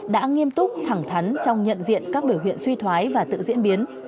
đã nghiêm túc thẳng thắn trong nhận diện các biểu hiện suy thoái và tự diễn biến